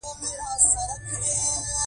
ورته یې وویل له دې خبرو ښه ده.